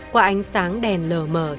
quả ánh sáng đèn lờ mờ trong căn nhà